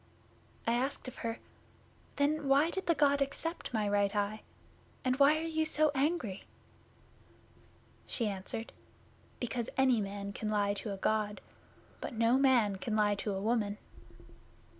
I asked of her, "Then why did the God accept my right eye, and why are you so angry?" She answered, "Because any man can lie to a God, but no man can lie to a woman.